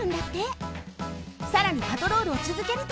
さらにパトロールをつづけると。